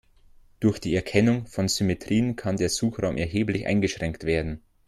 Durch die Erkennung von Symmetrien kann der Suchraum erheblich eingeschränkt werden.